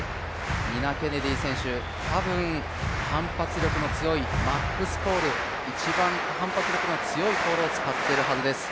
ニナ・ケネディ選手、多分、反発力の強いマックスポール、一番反発力の強いポールを使ってるはずです。